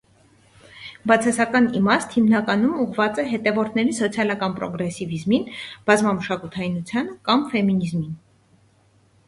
Բացասական իմաստ հիմնականում ուղղված է հետևորդների սոցիալական պրոգրեսիվիզմին, բազմամշակութայնությանը կամ ֆեմինիզմին։